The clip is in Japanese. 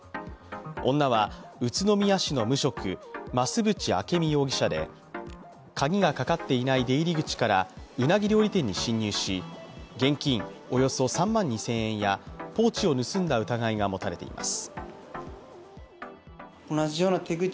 女は宇都宮市の無職、増渕明美容疑者で鍵がかかっていない出入り口からうなぎ料理店に侵入し、現金およそ３万２０００円やポーチを盗んだ疑いが持たれています。